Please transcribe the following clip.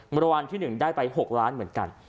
มันรวรรณที่๑ได้ไป๖ล้านเหมือนกัน